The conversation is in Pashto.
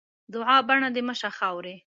دوعا؛ بڼه دې مه شه خاوري.